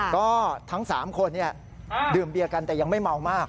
ก็ทั้ง๓คนดื่มเบียกันแต่ยังไม่เมามาก